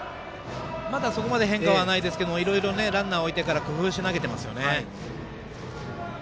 まだそこまで変化はないですけどいろいろランナーを置いてから工夫して投げていますよね。